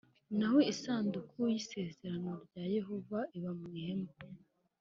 naho isanduku y isezerano rya Yehova iba mu ihema